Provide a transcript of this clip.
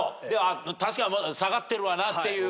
確かに下がってるわなっていうことで。